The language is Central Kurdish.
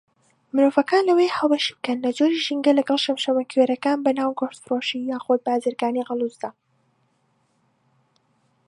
مرۆڤەکان لەوەیە هاوبەشی بکەن لە جۆری ژینگە لەگەڵ شەمشەمەکوێرەکان بەناو گۆشتفرۆشی یاخود بارزگانی خەڵوزدا.